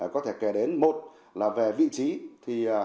có thể kể đến một là về vị trí